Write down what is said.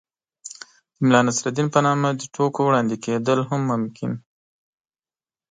د ملا نصر الدين په نامه د ټوکو وړاندې کېدل هم ممکن